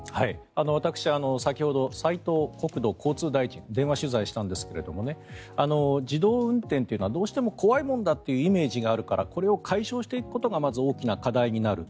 私、先ほど斉藤国土交通大臣に電話取材したんですが自動運転というのはどうしても怖いものだというイメージがあるからこれを解消していくことがまず大きな課題となる。